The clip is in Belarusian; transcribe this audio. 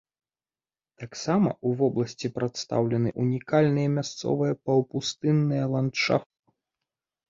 Таксама ў вобласці прадстаўлены ўнікальныя месяцавыя паўпустынныя ландшафты.